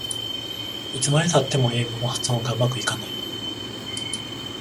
いつまでたっても英語の発音がうまくいかない